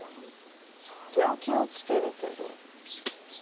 そりゃ気を付けるけど。